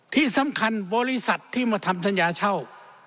ที่สำคัญบริษัทที่มาทำสัญญาเช่า